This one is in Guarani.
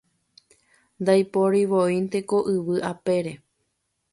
Ndaiporivoínte ko yvy apére